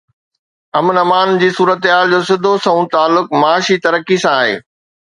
امن امان جي صورتحال جو سڌو سنئون تعلق معاشي ترقي سان آهي